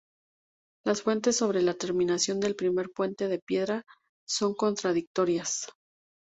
Las fuentes sobre la terminación del primer puente de piedra son contradictorias.